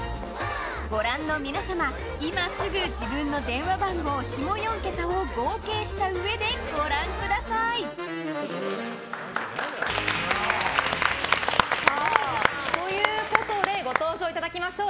ご覧の皆様、今すぐ自分の電話番号下４桁を合計したうえでご覧ください。ということでご登場いただきましょう。